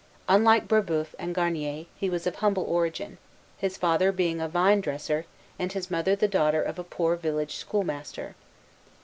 Unlike Brébeuf and Garnier, he was of humble origin, his father being a vine dresser, and his mother the daughter of a poor village schoolmaster.